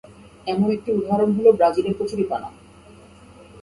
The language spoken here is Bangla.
এমন একটি উদাহরণ হলো ব্রাজিলের কচুরিপানা।